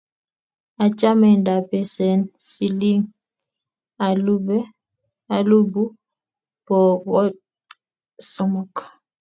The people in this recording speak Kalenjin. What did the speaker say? Achame ndapesen siling elipu pokol somok